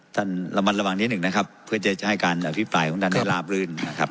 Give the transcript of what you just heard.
ถ้าหลังวันระวังนิดนึงนะครับเพื่อจะจะให้การอภิปรายของจังราวรื่นครับ